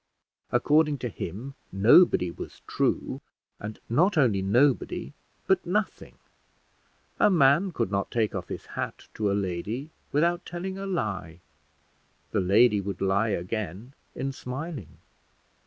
According to him nobody was true, and not only nobody, but nothing; a man could not take off his hat to a lady without telling a lie; the lady would lie again in smiling.